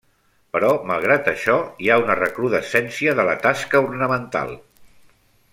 Però malgrat això hi ha una recrudescència de la tasca ornamental.